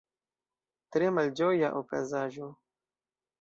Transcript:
Tre malĝoja okazaĵo.